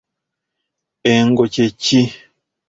Engo kye ki?